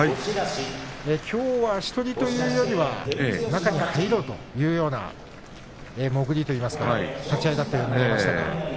きょうは、足取りというよりは中に入ろうというような潜りといいますか立ち合いだったように見えましたが。